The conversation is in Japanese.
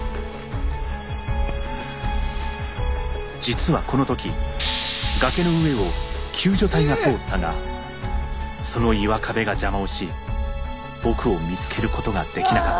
実はこの時崖の上を救助隊が通ったがその岩壁が邪魔をし僕を見つけることができなかった。